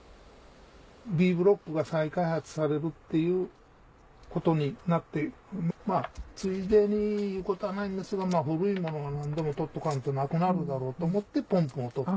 Ｂブロックが再開発されるっていうことになって「ついでに」いうことはないんですが古いものは何でも撮っとかんとなくなるだろうと思ってポンプも撮った。